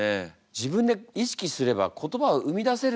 自分で意識すれば言葉を生み出せるんですね。